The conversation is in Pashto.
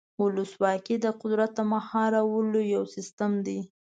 ولسواکي د قدرت د مهارولو یو سیستم دی.